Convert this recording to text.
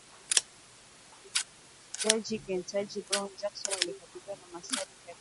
jaji Ketanji Brown Jackson alikabiliwa na maswali kwa saa kadhaa kutoka kwa wanachama wa